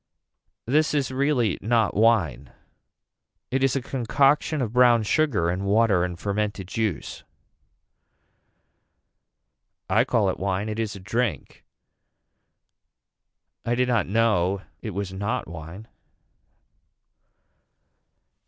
This is really not wine. It is a concoction of brown sugar and water and fermented juice. I call it wine it is a drink. I did not know it was not wine.